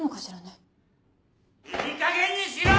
いいかげんにしろ！